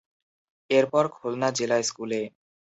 এর পর খুলনা জিলা স্কুলে।